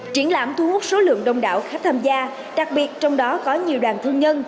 triển lãm thu hút số lượng đông đảo khách tham gia đặc biệt trong đó có nhiều đoàn thương nhân